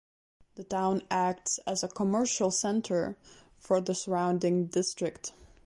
The town acts as a commercial centre for the surrounding district.